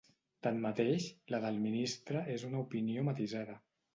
Tanmateix, la del ministre és una opinió matisada.